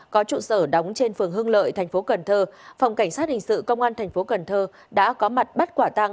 có trụ sở đóng trên phường hương lợi tp cn phòng cảnh sát hình sự công an tp cn đã có mặt bắt quả tăng